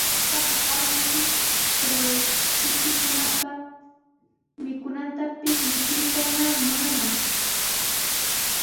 Allaapa mallaqnarshi chay kuchikunapa mikunantapis mikuytana munanaq.